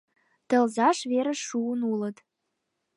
Тылзаш верыш шуын улыт...»